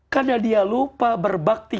karena dia lupa berbakti